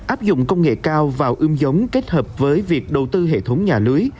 áp dụng công nghệ cao vào ươm giống kết hợp với việc đầu tư hệ thống nhà lưới